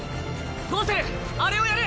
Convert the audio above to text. ゴウセルあれをやる。